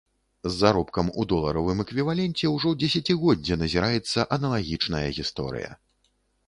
З заробкам у доларавым эквіваленце ўжо дзесяцігоддзе назіраецца аналагічная гісторыя.